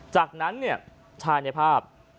จากนั้นเนี่ยชายในภาพ